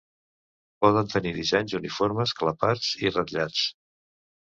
Poden tenir dissenys uniformes, clapats i ratllats.